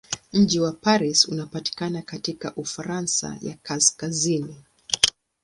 Mji wa Paris unapatikana katika Ufaransa ya kaskazini.